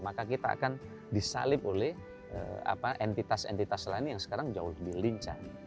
maka kita akan disalib oleh entitas entitas lain yang sekarang jauh lebih lincah